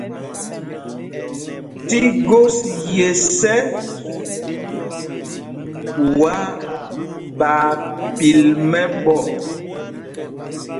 Tí gos yes ɛ, ɓuá ɓaa pil mɛ́ɓɔ́.